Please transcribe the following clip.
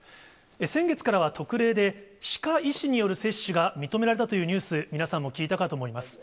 先月からは特例で、歯科医師による接種が認められたというニュース、皆さんも聞いたかと思います。